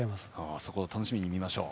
そこを楽しみに見ましょう。